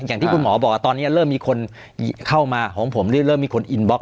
อย่างที่คุณหมอบอกว่าตอนนี้เริ่มมีคนเข้ามาของผมเริ่มมีคนอินบล็